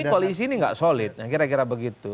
ini koalisi enggak solid kira kira begitu